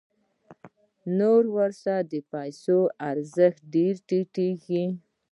نو ورسره د پیسو ارزښت ډېر راټیټېږي